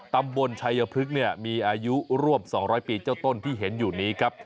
ตำบลชัยพฤกษ์มีอายุร่วม๒๐๐ปีเจ้าต้นที่เห็นอยู่นี้ครับ